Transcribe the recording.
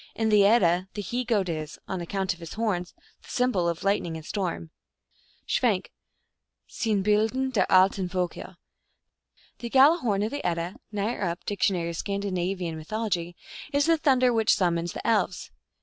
In the Edda the he goat is, on account of his horns, the symbol of lightning and storm. (Schwenk, Sinnbil den der alten Volker.) The Giala horn of the Edda (Nyer up. Diet. Scan. Mythol.) is the thunder which summons the Elves.